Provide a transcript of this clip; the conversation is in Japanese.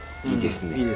いいですね。